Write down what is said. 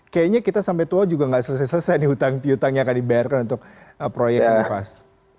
kayaknya kita sampai tua juga nggak selesai selesai nih utang yang akan dibayarkan untuk proyek inovasi